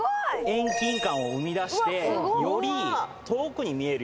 遠近感を生み出してより遠くに見えるように。